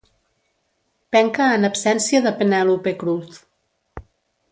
Penca en absència de Penèlope Cruz.